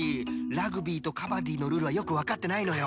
ラグビーとカバディのルールはよくわかってないのよ。